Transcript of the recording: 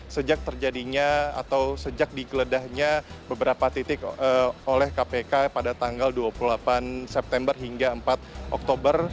sejak terjadinya atau sejak digeledahnya beberapa titik oleh kpk pada tanggal dua puluh delapan september hingga empat oktober